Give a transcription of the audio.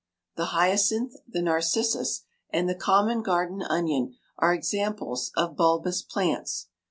The hyacinth, the narcissus, and the common garden onion are examples of bulbous plants.